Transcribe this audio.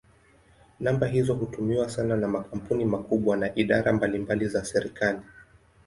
Namba hizo hutumiwa sana na makampuni makubwa na idara mbalimbali za serikali.